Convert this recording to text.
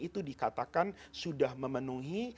itu dikatakan sudah memenuhi